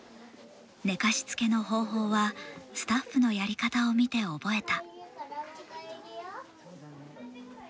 寝かしつけの方法はスタッフのやり方を見て覚えた。